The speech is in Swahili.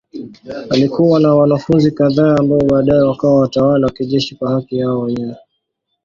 Alikuwa na wanafunzi kadhaa ambao baadaye wakawa watawala wa kijeshi kwa haki yao wenyewe.